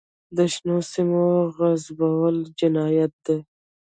د شنو سیمو غصبول جنایت دی.